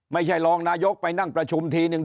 ไม่ใช่รองนายกไปนั่งประชุมทีนึง